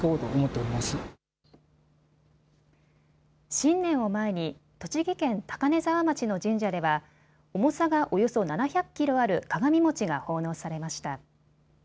新年を前に栃木県高根沢町の神社では重さがおよそ７００キロある鏡餅が奉納されました。